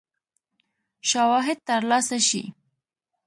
شواهد تر لاسه شي.